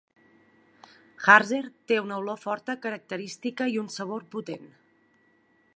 Harzer té una olor forta característica i un sabor potent.